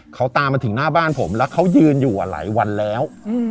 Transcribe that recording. เขาตามมาถึงหน้าบ้านผมแล้วเขายืนอยู่หลายวันแล้ว